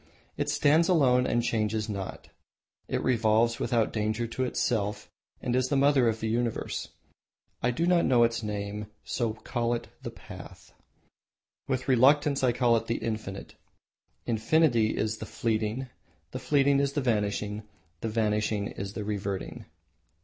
It stands alone and changes not. It revolves without danger to itself and is the mother of the universe. I do not know its name and so call it the Path. With reluctance I call it the Infinite. Infinity is the Fleeting, the Fleeting is the Vanishing, the Vanishing is the Reverting."